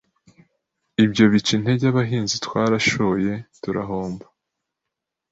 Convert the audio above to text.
ibyo bica intege abahinzi twarashoye turahomba,